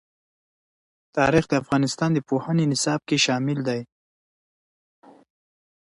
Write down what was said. تاریخ د افغانستان د پوهنې نصاب کې شامل دي.